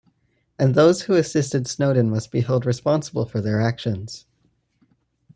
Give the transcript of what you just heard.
And those who assisted Snowden must be held responsible for their actions.